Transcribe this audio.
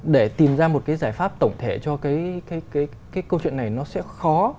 để tìm ra một cái giải pháp tổng thể cho cái câu chuyện này nó sẽ khó